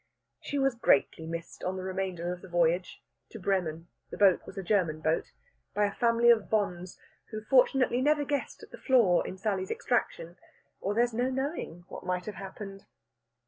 She was greatly missed on the remainder of the voyage (to Bremen the boat was a German boat) by a family of Vons, who fortunately never guessed at the flaw in Sally's extraction, or there's no knowing what might not have happened.